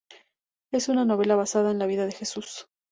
Es una novela basada en la vida de Jesús.